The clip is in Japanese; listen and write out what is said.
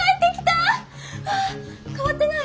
わ変わってない？